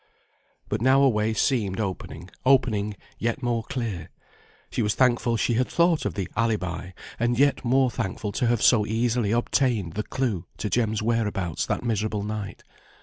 But now a way seemed opening, opening yet more clear. She was thankful she had thought of the alibi, and yet more thankful to have so easily obtained the clue to Jem's whereabouts that miserable night.